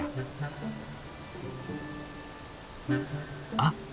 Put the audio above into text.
あっ！